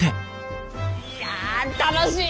いや楽しい！